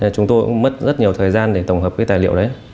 chúng tôi cũng mất rất nhiều thời gian để tổng hợp cái tài liệu đấy